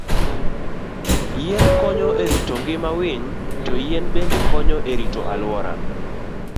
Yien konyo e rito ngima winy, to yien bende konyo e rito alwora.